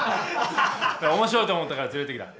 面白いと思ったから連れてきた。